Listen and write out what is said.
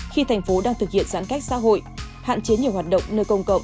khi thành phố đang thực hiện giãn cách xã hội hạn chế nhiều hoạt động nơi công cộng